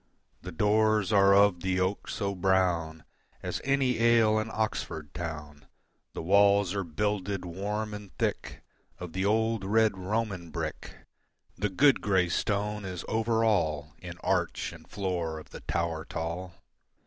The doors are of the oak so brown As any ale in Oxford town, The walls are builded warm and thick Of the old red Roman brick, The good grey stone is over all In arch and floor of the tower tall.